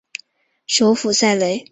首府塞雷。